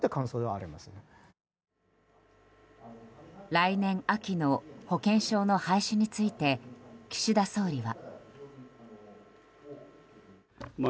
来年秋の保険証の廃止について岸田総理は。